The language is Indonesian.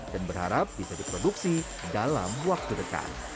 dan berharap bisa diproduksi dalam waktu dekat